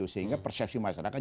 sehingga persepsi masyarakat